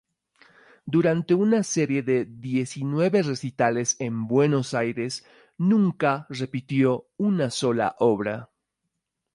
Durante una serie de diecinueve recitales en Buenos Aires nunca repitió una sola obra.